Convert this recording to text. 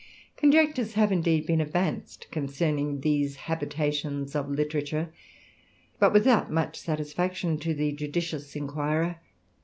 146 THE RAMBLER, Conjectures have, indeed, been advanced concerning^ these habitations of literature, but without much satisfactio to the judicious inquirer.